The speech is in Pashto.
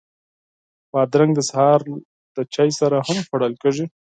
بادرنګ د سهار له چای سره هم خوړل کېږي.